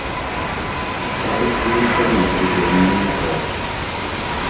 Сайт выйшаў на штодзённую працу.